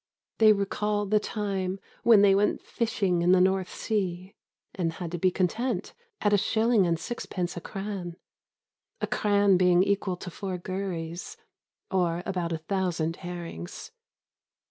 They recall the time when they went fishing in the North Sea and had to be content to sell their catch at a shilling and sixpence a cran a cran being equal to four gurries, or about a thousand herrings.